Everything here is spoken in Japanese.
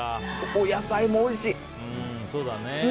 お野菜もおいしい。